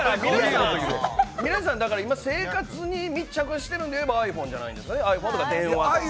皆さん、今、生活に密着しているといえばｉＰｈｏｎｅじゃないですか。